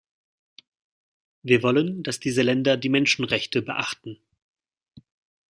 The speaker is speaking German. Wir wollen, dass diese Länder die Menschenrechte beachten.